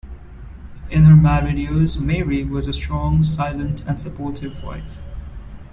In her married years Mary was a strong, silent, and supportive wife.